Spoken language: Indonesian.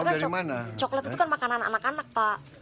karena coklat itu kan makanan anak anak pak